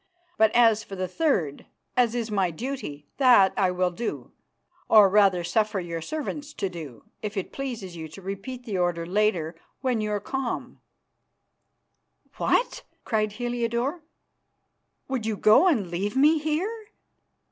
But as for the third, as is my duty, that I will do or rather suffer your servants to do if it pleases you to repeat the order later when you are calm." "What!" cried Heliodore, "would you go and leave me here?